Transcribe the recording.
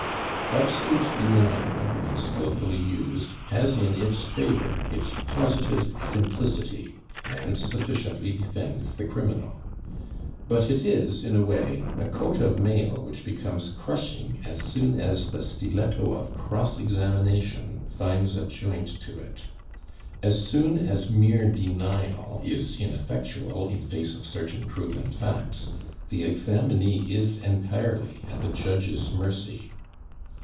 Absolute denial when skilfully used has in its favor its positive simplicity, and sufficiently defends the criminal; but it is, in a way, a coat of mail which becomes crushing as soon as the stiletto of cross examination finds a joint to it. As soon as mere denial is ineffectual in face of certain proven facts, the examinee is entirely at the judge's mercy.